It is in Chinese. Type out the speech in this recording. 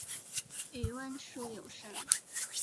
与万树友善。